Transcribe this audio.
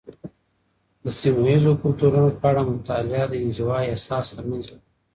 د سيمه یيزو کلتورونو په اړه مطالعه، د انزوا احساس له منځه وړي.